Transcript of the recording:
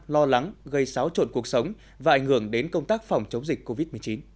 lo lắng gây xáo trộn cuộc sống và ảnh hưởng đến công tác phòng chống dịch covid một mươi chín